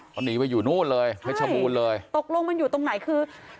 ต้องหนีไปอยู่โน่นเลยให้ชมูลเลยตกลงมันอยู่ตรงไหนคือ